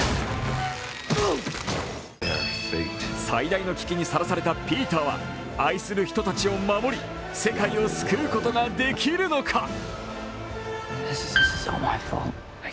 最大の危機にさらされたピーターは愛する人たちを守り世界を救うことができるのか。